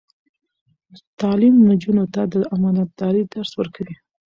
تعلیم نجونو ته د امانتدارۍ درس ورکوي.